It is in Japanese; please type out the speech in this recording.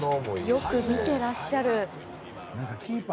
よく見てらっしゃる。